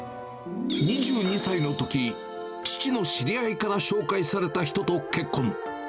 ２２歳のとき、父の知り合いから紹介された人と結婚。